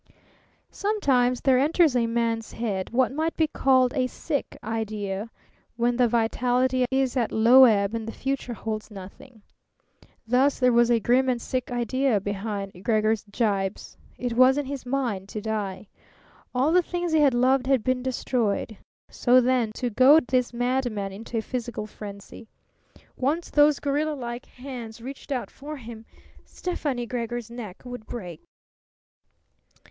Sometimes there enters a man's head what might be called a sick idea; when the vitality is at low ebb and the future holds nothing. Thus there was a grim and sick idea behind Gregor's gibes. It was in his mind to die. All the things he had loved had been destroyed. So then, to goad this madman into a physical frenzy. Once those gorilla like hands reached out for him Stefani Gregor's neck would break.